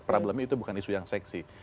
problemnya itu bukan isu yang seksi